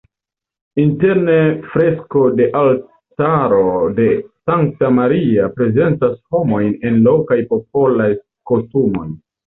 Interne fresko de altaro de Sankta Maria prezentas homojn en lokaj popolaj kostumoj.